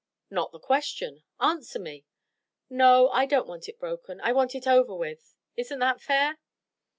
"Not the question. Answer me!" "No, I don't want it broken. I want it over with. Isn't that fair?"